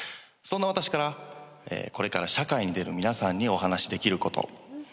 そんな私からこれから社会に出る皆さんにお話できること。